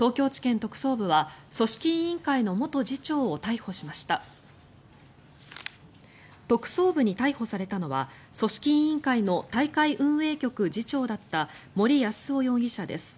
特捜部に逮捕されたのは組織委員会の大会運営局次長だった森泰夫容疑者です。